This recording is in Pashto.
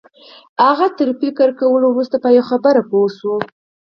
هغه تر فکر کولو وروسته په یوه خبره پوه شو